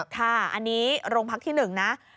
ค่ะอันนี้โรงพักที่๑นะ